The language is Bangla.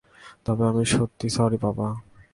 তবে আমি সত্যি সরি পাপা।